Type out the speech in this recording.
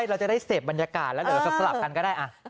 เราจะได้เสพบรรยากาศแล้วเหรอสลับกันก็ได้